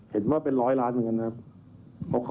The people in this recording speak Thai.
เห็นว่าเป็นร้อยล้านเหมือนกันนะครับ